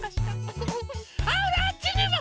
あっちにも！